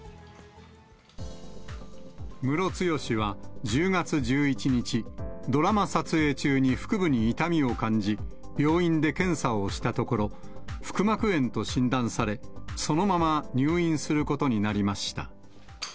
ムロツヨシは１０月１１日、ドラマ撮影中に腹部に痛みを感じ、病院で検査をしたところ、腹膜炎と診断され、そのまま入院することになりました。